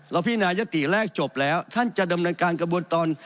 พินายติแรกจบแล้วท่านจะดำเนินการกระบวนตอน